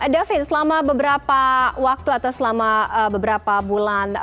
david selama beberapa waktu atau selama beberapa bulan